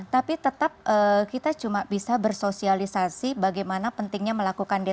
tapi tetap kita cuma bisa bersosialisasi bagaimana pentingnya melakukan